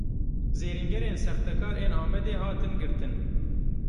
Zêrîngerên sextekar ên Amedê hatin girtin.